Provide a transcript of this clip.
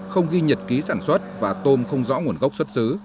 không ghi nhật ký sản xuất và tôm không rõ nguồn gốc xuất xứ